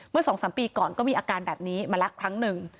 เมื่อ๒๓ปีก่อนก็มีอาการแบบนี้มาแล้วครั้งหนึ่ง